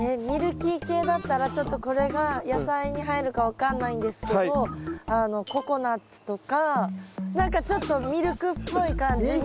ミルキー系だったらちょっとこれが野菜に入るか分かんないんですけど何かちょっとミルクっぽい感じ。